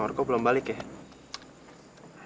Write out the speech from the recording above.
maaf kok belum balik ya